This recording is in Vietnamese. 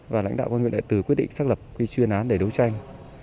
và lãnh đạo công an huyện đại từ quyết định xác lập chuyên án để đấu tranh